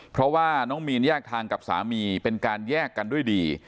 เพราะว่าน้องมีนแยกทางกับสามีเป็นการแยกกันด้วยดี